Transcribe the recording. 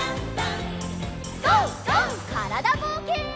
からだぼうけん。